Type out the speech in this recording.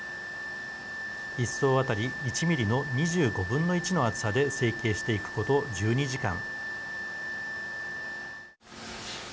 一層当たり１ミリの２５分の１の厚さで成型していくこと１２時間。